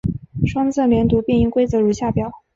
双字连读变音规则如下表。